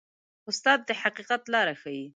استاد د حقیقت لاره ښيي.